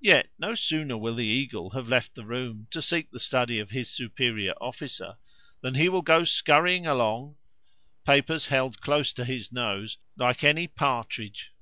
Yet no sooner will the eagle have left the room to seek the study of his superior officer than he will go scurrying along (papers held close to his nose) like any partridge.